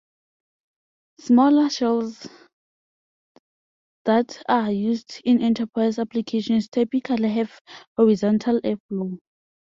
Smaller shelves that are used in enterprise applications typically have horizontal air flow.